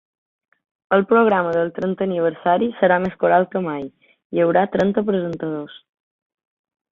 El programa del trentè aniversari serà més coral que mai: hi haurà trenta presentadors.